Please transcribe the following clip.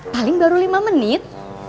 paling baru lima menit